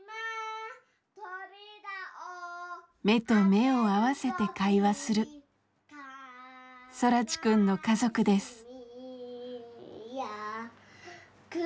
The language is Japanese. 目と目を合わせて会話する空知くんの家族です。